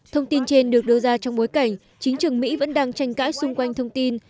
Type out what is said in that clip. thông tin trên được đưa ra trong bối cảnh chính trường mỹ vẫn đang tranh cãi xung quanh thông tin